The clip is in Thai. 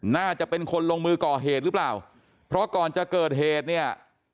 น่าจะเป็นคนลงมือก่อเหตุหรือเปล่าเพราะก่อนจะเกิดเหตุเนี่ย